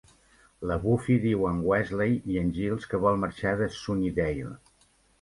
La Buffy diu a en Wesley i en Giles que vol marxar de Sunnydale.